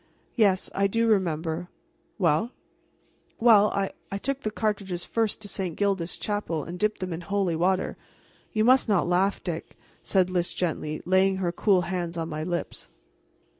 "Yes, I do remember. Well?" "Well, I I took the cartridges first to St. Gildas chapel and dipped them in holy water. You must not laugh, Dick," said Lys gently, laying her cool hands on my lips.